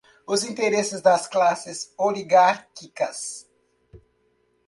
Os interesses das classes oligárquicas